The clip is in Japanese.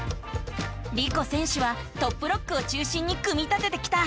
リコ選手はトップロックを中心に組み立ててきた。